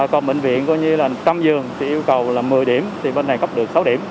còn bệnh viện gọi như là một trăm linh giường thì yêu cầu là một mươi điểm thì bên này có được sáu điểm